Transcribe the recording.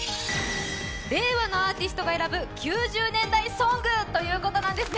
「令和のアーティストが選ぶ９０年代ソング」ということなんです。